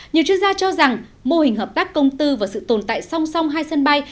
nhiều chuyên gia cho rằng mô hình hợp tác công tư và sự tồn tại song song hai sân bay